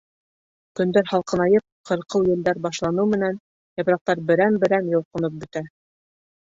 Көндәр һалҡынайып, ҡырҡыу елдәр башланыу менән, япраҡтар берәм-берәм йолҡоноп бөтә.